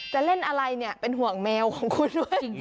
จะเล่นอะไรเป็นหวังแมวของคุณด้วย